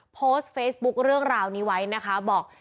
โพสต์เฟซบุ๊คเรื่องราวนี้ไว้นะคะบอก